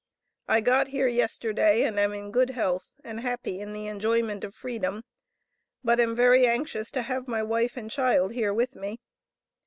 I got here yesterday and am in good health and happy in the enjoyment of Freedom, but am very anxious to have my wife and child here with me.